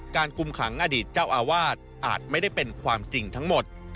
กุมขังอดีตเจ้าอาวาสอาจไม่ได้เป็นความจริงทั้งหมด